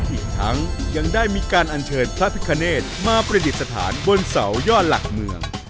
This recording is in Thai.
อีกทั้งยังได้มีการอัญเชิญพระพิคเนธมาประดิษฐานบนเสายอดหลักเมือง